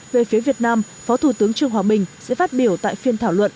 về phía việt nam phó thủ tướng trương hòa bình sẽ phát biểu tại phiên thảo luận